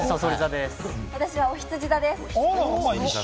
私はおひつじ座です。